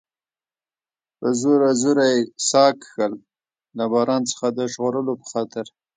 په زوره زوره یې ساه کښل، له باران څخه د ژغورلو په خاطر.